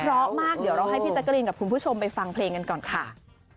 เพราะมากให้พี่เจ็ดกะรินกับคุณผู้ชมไปฟังเพลงกันก่อนค่ะ